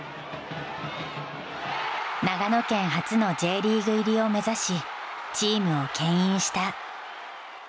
長野県初のＪリーグ入りを目指し、チームをけん引した。